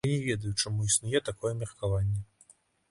Я не ведаю, чаму існуе такое меркаванне.